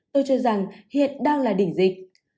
tôi cho rằng hiện đang là đỉnh dịch